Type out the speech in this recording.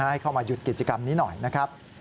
ให้เข้ามาหยุดกิจกรรมนี้หน่อยนะครับ